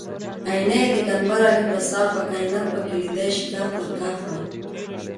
آیینه یې د قنبر علي کړه صافه کاینات پکې لیدی شي کاف تر کافه